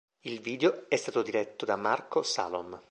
Il video è stato diretto da Marco Salom.